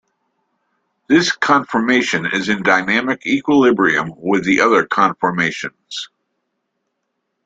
This conformation is in dynamic equilibrium with the other conformations.